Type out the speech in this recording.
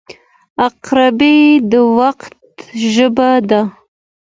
• عقربې د وخت ژبه ده.